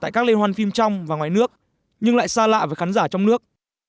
tại các lê hoan phim trong và ngoài nước nhưng lại xa lạ với khán giả trong nước